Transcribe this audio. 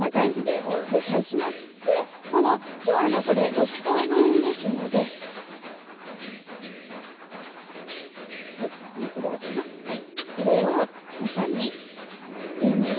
きょうは６等分ですので中に入れます。